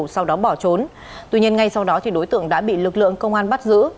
sau đó bỏ trốn tuy nhiên ngay sau đó đối tượng đã bị lực lượng công an bắt giữ